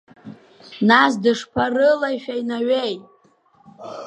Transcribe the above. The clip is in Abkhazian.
Нас дышԥарылашәеи Наҩеи?